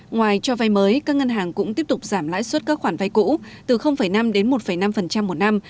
ngoài cho vai mới các ngân hàng cũng tiếp tục giảm lãi suất các khoản vai cũ từ năm một năm một năm